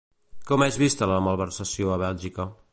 Com és vista la malversació a Bèlgica?